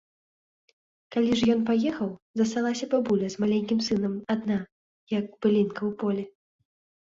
Калі ж ён паехаў, засталася бабуля з маленькім сынам адна, як былінка ў полі.